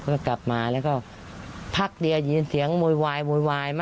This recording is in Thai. ก็กลับมาแล้วก็พักเดียวยินเสียงโวยวายโวยวายมา